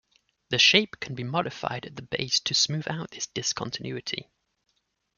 The shape can be modified at the base to smooth out this discontinuity.